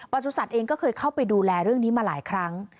สุสัตว์เองก็เคยเข้าไปดูแลเรื่องนี้มาหลายครั้ง